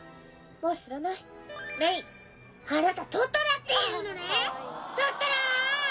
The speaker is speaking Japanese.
もう知らないあなたトトロっていうのねトトロ！